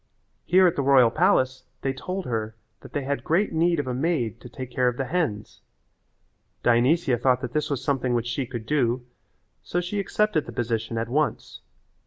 Here at the royal palace they told her that they had great need of a maid to take care of the hens. Dionysia thought that this was something which she could do, so she accepted the position at once.